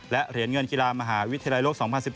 และเหรียญเงินกีฬามหาวิทยาลัยโลก๒๐๑๘